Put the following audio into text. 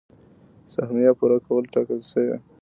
سهميه پوره کولو ټاکل شوي.